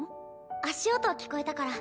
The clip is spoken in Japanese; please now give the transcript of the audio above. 足音聞こえたから。